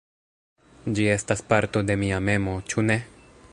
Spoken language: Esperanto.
Ĝi estas parto de mia memo, ĉu ne?